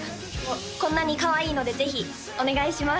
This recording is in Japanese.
こんなにかわいいのでぜひお願いします